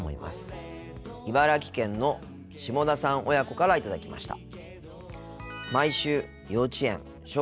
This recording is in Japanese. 茨城県の下田さん親子から頂きました。